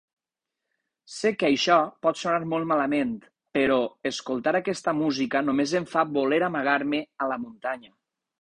Sé que això pot sonar molt malament, però escoltar aquesta música només em fa voler amagar-me a la muntanya.